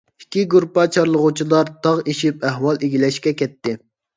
ئىككى گۇرۇپپا چارلىغۇچىلار تاغ ئېشىپ ئەھۋال ئىگىلەشكە كەتتى.